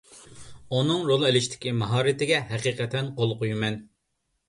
ئۇنىڭ رول ئېلىش ماھارىتىگە ھەقىقەتەن قول قويىمەن.